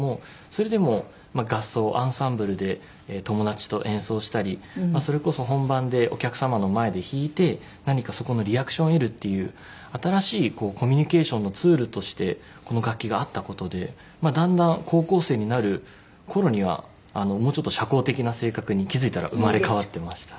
それでも合奏アンサンブルで友達と演奏したりそれこそ本番でお客様の前で弾いて何かそこのリアクションを得るっていう新しいコミュニケーションのツールとしてこの楽器があった事でだんだん高校生になる頃にはもうちょっと社交的な性格に気付いたら生まれ変わってました。